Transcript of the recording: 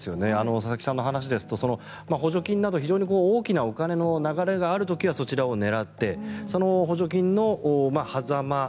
佐々木さんの話ですと補助金など非常に大きな金の流れがある時はそちらを狙ってその補助金のはざま